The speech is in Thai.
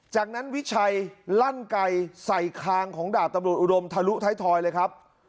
จากนั้นวิชัยลั่นไก่ใส่คางของดาบตำรวจอุดมทะลุท้ายทอยเลยครับ